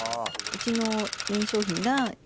うちの。